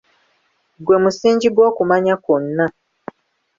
Gwe musingi gw'okumanya kwonna.